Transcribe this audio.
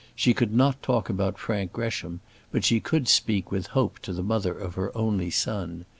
She could not talk about Frank Gresham, but she could speak with hope to the mother of her only son.